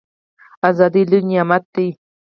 ازادي لوی نعمت دی